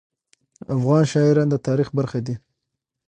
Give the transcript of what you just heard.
افغان شاعران د تاریخ برخه دي.